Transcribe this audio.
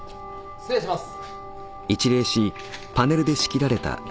失礼します。